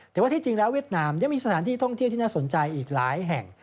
แต่ว่าที่จริงแล้วเวียดนามยังมีสถานที่ท่องเที่ยวที่น่าสนใจอีกหลายแห่ง